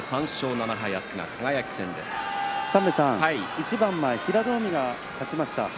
一番前、平戸海が勝ちました。